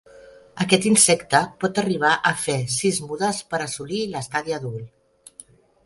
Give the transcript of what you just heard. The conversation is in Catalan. Aquest insecte pot arribar a fer sis mudes per assolir l'estadi adult.